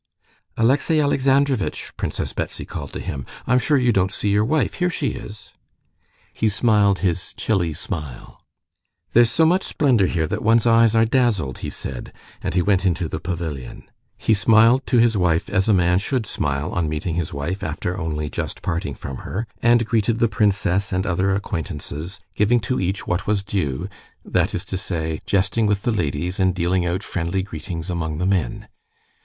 "Alexey Alexandrovitch!" Princess Betsy called to him; "I'm sure you don't see your wife: here she is." He smiled his chilly smile. "There's so much splendor here that one's eyes are dazzled," he said, and he went into the pavilion. He smiled to his wife as a man should smile on meeting his wife after only just parting from her, and greeted the princess and other acquaintances, giving to each what was due—that is to say, jesting with the ladies and dealing out friendly greetings among the men.